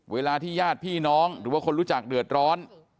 เวลาที่ญาติพี่น้องหรือว่าคนรู้จักเดือดร้อน